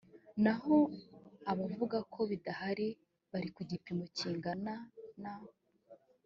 naho abavuga ko bidahari bari ku gipimo kingana na